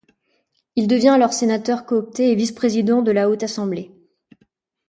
Il devient alors Sénateur coopté et vice-président de la haute assemblée.